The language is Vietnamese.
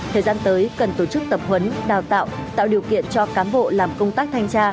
thời gian tới cần tổ chức tập huấn đào tạo tạo điều kiện cho cán bộ làm công tác thanh tra